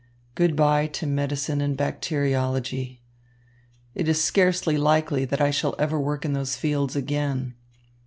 Good bye to medicine and bacteriology. It is scarcely likely that I shall ever work in those fields again.